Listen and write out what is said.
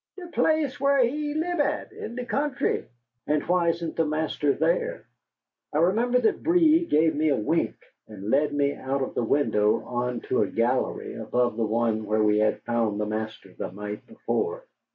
"De place whah he lib at, in de country." "And why isn't the master there?" I remember that Breed gave a wink, and led me out of the window onto a gallery above the one where we had found the master the night before.